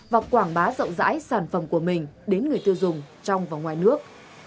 và quảng bá rộng rãi sản phẩm của mình đến người tiêu dùng trong và ngoài nước